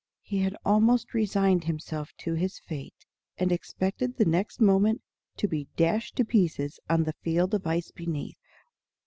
He had almost resigned himself to his fate, and expected the next moment to be dashed to pieces on the field of ice beneath.